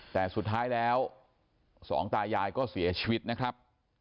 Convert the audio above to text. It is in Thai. แต่สุดท้ายแล้วสองตายายก็เสียชีวิตนะครับ